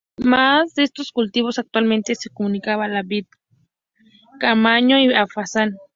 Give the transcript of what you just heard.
Además de estos cultivos, antiguamente se cultivaba la vid, cáñamo y azafrán.